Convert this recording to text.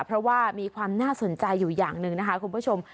เพราะว่ามีความน่าสนใจอยู่อย่างหนึ่งนะคะคุณผู้ชม